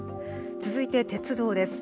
続いて鉄道です。